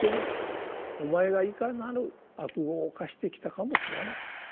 お前がいかなる悪業を犯してきたかも問わないと。